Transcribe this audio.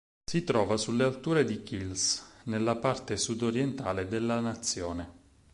Si trova sulle alture di Kielce, nella parte sud-orientale della nazione.